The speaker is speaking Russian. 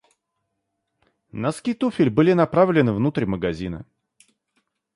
Носки туфель были направлены внутрь магазина.